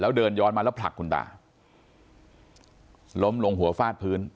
แล้วเดินย้อนมาแล้วผลักคุณตาล้มลงหัวฟาดพื้น